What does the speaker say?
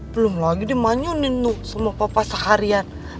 belum lagi dimanyunin tuh sama papa seharian